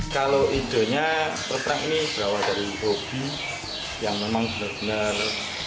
kalau idenya peperang ini berawal dari hobi yang memang benar benar